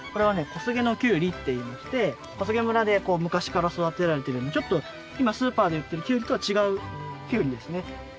小菅のキュウリっていいまして小菅村で昔から育てられているものでちょっと今スーパーで売っているキュウリとは違うキュウリですね。